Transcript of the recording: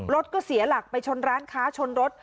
รถก็เสียหลักไปชนร้านค้าชนรถ